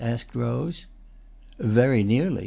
asked Rose. "Very nearly.